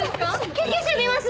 救急車呼びます？